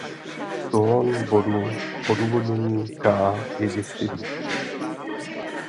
Tón bodu odůvodnění K je děsivý.